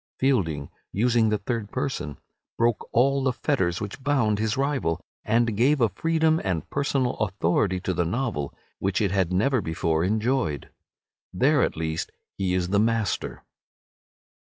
Fielding, using the third person, broke all the fetters which bound his rival, and gave a freedom and personal authority to the novel which it had never before enjoyed. There at least he is the master.